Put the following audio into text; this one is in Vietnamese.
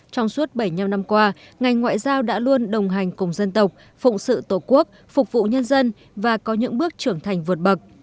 trong suốt bảy mươi năm năm qua ngành ngoại giao đã luôn đồng hành cùng dân tộc phụng sự tổ quốc phục vụ nhân dân và có những bước trưởng thành vượt bậc